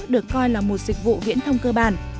được coi là một dịch vụ viễn thông cơ bản